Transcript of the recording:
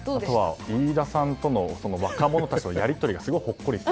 飯田さんと若者とたちとのやり取りがすごくほっこり。